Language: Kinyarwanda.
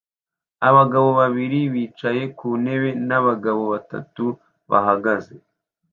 Abagabo babiri bicaye ku ntebe n'abagabo batatu bahagaze